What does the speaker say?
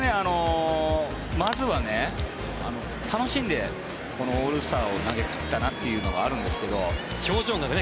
まずは楽しんでこのオールスターを投げ切ったなというのがあるんですが。